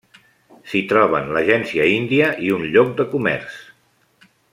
S'hi troben l'agència índia i un lloc de comerç.